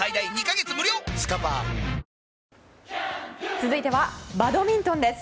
続いてはバドミントンです。